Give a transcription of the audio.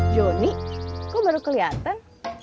joni kok baru keliatan